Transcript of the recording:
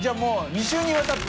２週にわたって。